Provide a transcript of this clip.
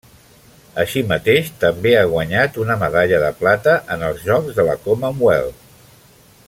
Així mateix també ha guanyat una medalla de plata en els Jocs de la Commonwealth.